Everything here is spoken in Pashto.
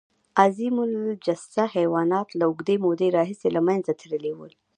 عظیم الجثه حیوانات له اوږدې مودې راهیسې له منځه تللي وو.